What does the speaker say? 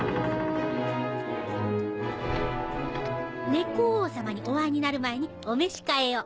猫王様にお会いになる前にお召し替えを。